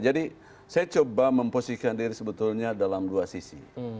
jadi saya coba memposisikan diri sebetulnya dalam dua sisi